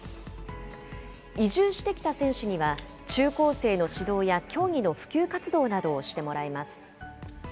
移住してきた選手には、中高生の指導や競技の普及活動などをしてもらいます。